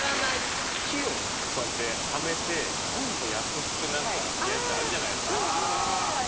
木を、こうやってはめてやすって、何かやるやつあるじゃないですか。